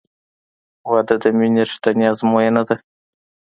• واده د مینې رښتینی ازموینه ده.